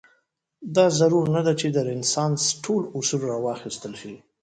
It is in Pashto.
دا ضرور نه ده چې د رنسانس ټول اصول راواخیستل شي.